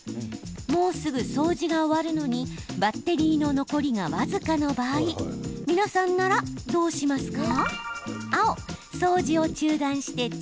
もうすぐ掃除が終わるのにバッテリーの残りが僅かの場合皆さんなら、どうしますか？